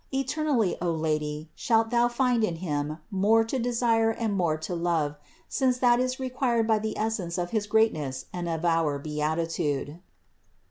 Eternally, O Lady, shalt Thou find in Him more to desire and more to love, since that is required by the essence of his greatness and of our beatitude."